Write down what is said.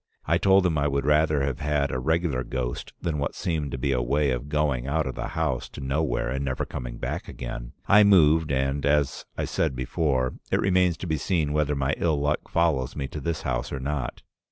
I told him I would rather have had a regular ghost than what seemed to be a way of going out of the house to nowhere and never coming back again. I moved, and, as I said before, it remains to be seen whether my ill luck follows me to this house or not.